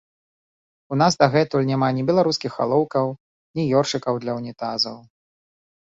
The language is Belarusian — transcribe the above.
У нас дагэтуль няма ні беларускіх алоўкаў, ні ёршыкаў для ўнітазаў.